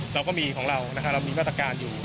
เราก็มีของเราเรามีมาตรการอยู่